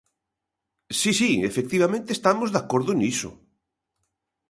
Si, si, efectivamente, estamos de acordo niso.